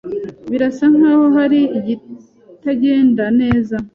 Birasa nkaho hari ibitagenda neza.